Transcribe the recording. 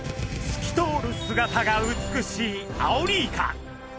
透き通る姿が美しいアオリイカ！